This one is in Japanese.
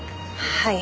はい。